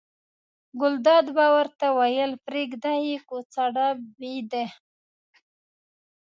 ګلداد به ورته ویل پرېږده یې کوڅه ډب دي.